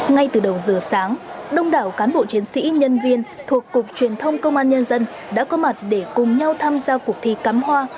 ngay từ đầu giờ sáng đông đảo cán bộ chiến sĩ nhân viên thuộc cục truyền thông công an nhân dân đã có mặt để cùng nhau tham gia cuộc thi cắm hoa